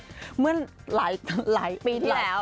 เมื่อหลายปีที่แล้ว